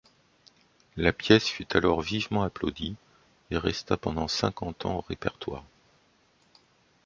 La pièce fut alors vivement applaudie et resta pendant cinquante ans au répertoire.